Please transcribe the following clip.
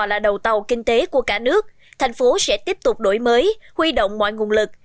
là đầu tàu kinh tế của cả nước thành phố sẽ tiếp tục đổi mới huy động mọi nguồn lực